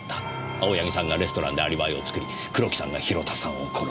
青柳さんがレストランでアリバイを作り黒木さんが広田さんを殺す。